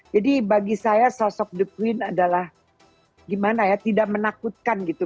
jadi bagi saya sosok the queen adalah gimana ya tidak menakutkan gitu